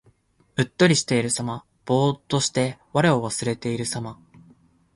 うっとりしているさま。ぼうっとして我を忘れているさま。